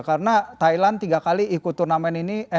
karena thailand tiga kali ikut turnamen ini